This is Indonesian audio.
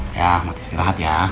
mahas istirahat ya